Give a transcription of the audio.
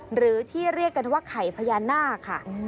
หรือที่เรียกกันว่าไข่พญานาคค่ะ